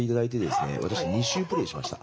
私２周プレイしました。